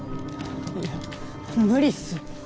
いや無理っす。